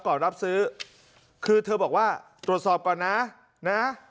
รับซื้อคือเธอบอกว่าตรวจสอบก่อนนะนะ